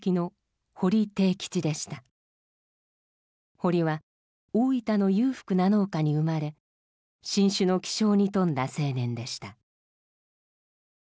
堀は大分の裕福な農家に生まれ進取の気性に富んだ青年でした。